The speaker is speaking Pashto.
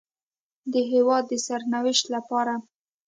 د هېواد د سرنوشت لپاره